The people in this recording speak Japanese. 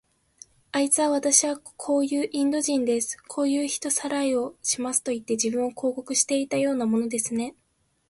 あいつは、わたしはこういうインド人です。こういう人さらいをしますといって、自分を広告していたようなものですね。